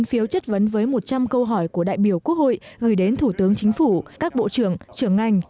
tám mươi chín phiếu chất vấn với một trăm linh câu hỏi của đại biểu quốc hội gửi đến thủ tướng chính phủ các bộ trưởng trưởng ngành